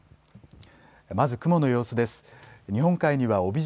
まず雲の様子です。